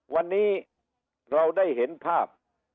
วันนี้เราได้เห็นภาพ